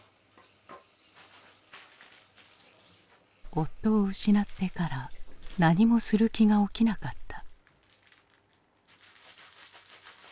夫を失ってから何もする気が起きなかった。